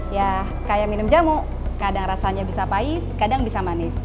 ya kayak minum jamu kadang rasanya bisa pahit kadang bisa manis